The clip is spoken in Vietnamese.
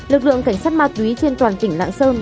lực lượng cảnh sát ma túy trên toàn tỉnh lạng sơn